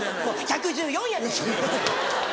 １１４やで！